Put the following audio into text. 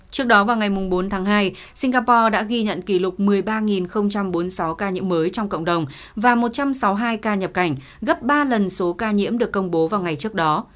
trước đó vào ngày bốn tháng hai singapore đã ghi nhận kỷ lục một mươi ba bốn mươi sáu ca nhiễm mới trong cộng đồng và một trăm sáu mươi hai ca nhập cảnh gấp ba lần số ca nhiễm được công bố vào ngày trước đó